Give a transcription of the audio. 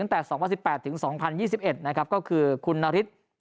ตั้งแต่๒๐๑๘ถึง๒๐๒๑นะครับก็คือคุณนฤทธิ์